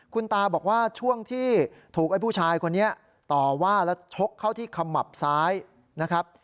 คุณตาบอกว่าช่วงที่ถูกไอ้ผู้ชายคนนี้ต่อว่าแล้วชกเข้าที่ขมับซ้ายนะครับ